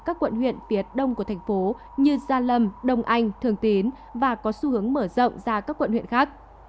các quận huyện phía đông của thành phố như gia lâm đông anh thường tín và có xu hướng mở rộng ra các quận huyện khác